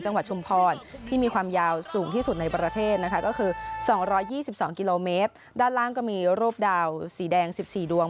จังหวัดชุมพรที่มีความยาวสูงที่สุดในประเทศนะคะคือ๒๒๒กิโลเมตรด้านล่างเราก็มีรูปแข่งดาวสี่แดงสี่สี่ดวง